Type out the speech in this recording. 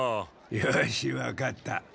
よしわかった。